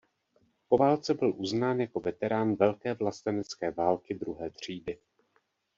Po válce byl uznán jako veterán Velké vlastenecké války druhé třídy.